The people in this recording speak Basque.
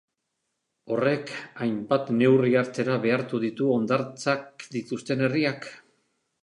Horrek, hainbat neurri hartzera behartu ditu hondartzak dituzten herriak.